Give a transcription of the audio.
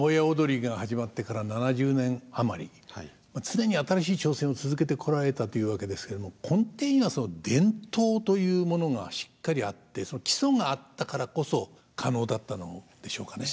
常に新しい挑戦を続けてこられたというわけですけれども根底にはその伝統というものがしっかりあってその基礎があったからこそ可能だったのでしょうかね。